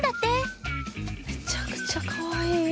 めちゃくちゃかわいい！